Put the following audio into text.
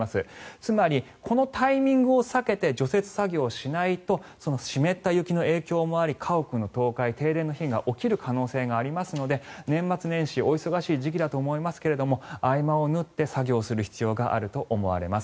つまり、このタイミングを避けて除雪作業をしないと湿った雪の影響もあり家屋の倒壊、停電の被害が起きる可能性がありますので年末年始お忙しい時期だと思いますが合間を縫って作業をする必要があると思われます。